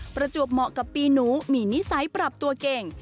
ประจวบเหมาะกับปีหนูมีนิสัยปรับตัวเก่ง